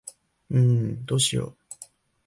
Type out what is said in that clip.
んーどうしよ。